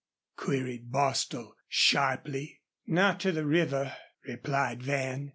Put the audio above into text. queried Bostil, sharply. "Not to the river," replied Van.